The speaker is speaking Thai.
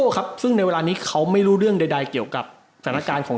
ครับซึ่งในเวลานี้เขาไม่รู้เรื่องใดเกี่ยวกับสถานการณ์ของ